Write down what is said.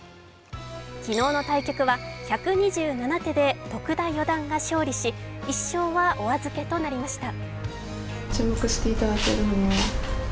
昨日の対局は１２７手で徳田四段が勝利し、１勝はお預けとなりました。